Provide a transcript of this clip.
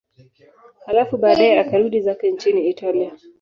Halafu baadaye akarudi zake nchini Italia.